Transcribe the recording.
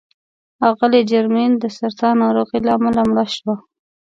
اغلې جرمین د سرطان ناروغۍ له امله مړه شوه.